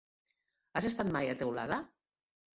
Has estat mai a Teulada?